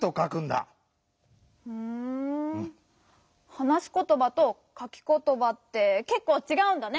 はなしことばとかきことばってけっこうちがうんだね。